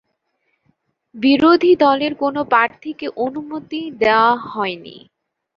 বিরোধী দলের কোনও প্রার্থীকে অনুমতি দেওয়া হয়নি।